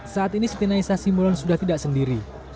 saat ini setina issa simulon sudah tidak sendiri